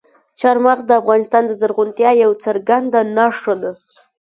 چار مغز د افغانستان د زرغونتیا یوه څرګنده نښه ده.